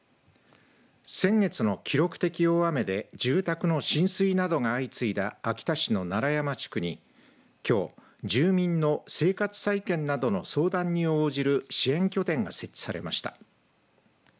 先月の記録的大雨で住宅の浸水などが相次いだ秋田市の楢山地区にきょう、住民の生活再建などの相談に応じる支援拠点が設置されました。